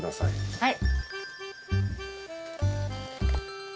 はい。